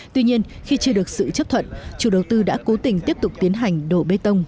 tuy nhiên khi chưa được sự chấp thuận chủ đầu tư đã cố tình tiếp tục tiến hành đổ bê tông